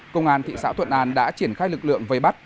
công an thị xã thuận an đã triển khai lực lượng vây bắt